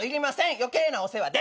余計なお世話です。